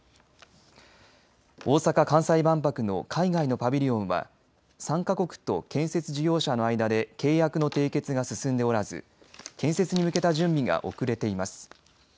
大阪・関西万博の海外のパビリオンは参加国と建設事業者の間で契約の締結が進んでおらず建設に向けた準備が遅れています。